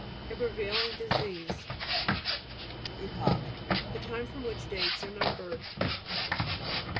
A prevailing dis E'pocH The time from which dates are numbered.